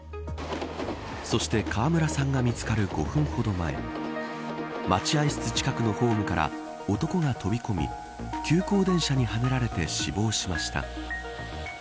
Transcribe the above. そして、川村さんが見つかる５分ほど前待合室近くのホームから男が飛び込み急行電車にはねられ死亡しました。